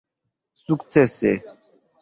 sukcese